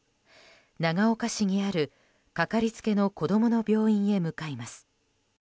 長岡市にある、かかりつけの子供の病院へ向かいます。